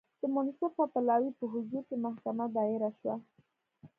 د منصفه پلاوي په حضور کې محکمه دایره شوه.